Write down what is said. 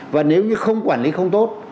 và nếu như không quản lý không tốt